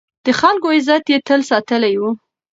د خلکو عزت يې تل ساتلی و.